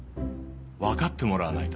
分かってもらわないと。